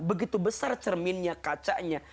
begitu besar cerminnya kacanya